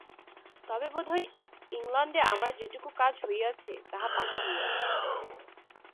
তবে বোধ হয়, ইংলণ্ডে আমার যেটুকু কাজ হইয়াছে, তাহা পাকা হইয়াছে।